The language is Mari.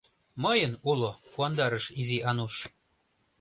— Мыйын уло, — куандарыш Изи Ануш.